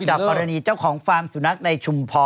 กรณีเจ้าของฟาร์มสุนัขในชุมพร